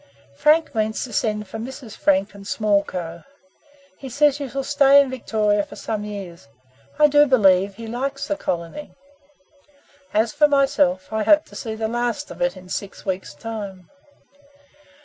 Frank means to send for Mrs. Frank and small Co. He says he shall stay in Victoria for some years. I do believe he likes the colony. As for myself, I hope to see the last of it in six weeks' time.